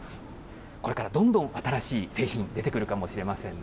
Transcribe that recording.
これからどんどん新しい製品、出てくるかもしれませんね。